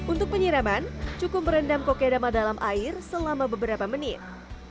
untuk penyiraman cukup merendam kokedama dalam air selama beberapa menit